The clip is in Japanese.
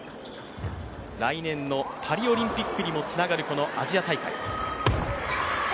来年のパリオリンピックにもつながるこのアジア大会。